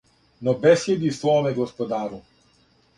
Но бесједи своме господару: